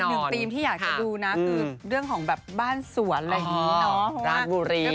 หนึ่งธีมที่อยากจะดูนะคือเรื่องของแบบบ้านสวนอะไรอย่างนี้เนาะ